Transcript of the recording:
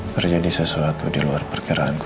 terjadi sesuatu di luar perkiraan